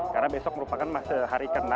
karena besok merupakan hari ke enam